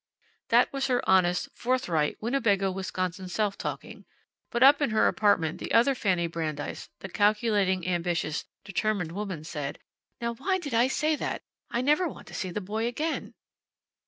That was her honest, forthright, Winnebago Wisconsin self talking. But up in her apartment the other Fanny Brandeis, the calculating, ambitious, determined woman, said: "Now why did I say that! I never want to see the boy again.